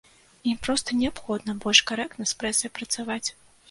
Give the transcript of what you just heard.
Ім проста неабходна больш карэктна з прэсай працаваць.